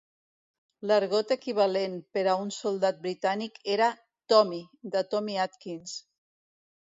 L"argot equivalent per a un soldat britànic era "Tommy" de Tommy Atkins.